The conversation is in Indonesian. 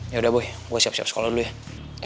yaudah boy gue siap siap sekolah dulu ya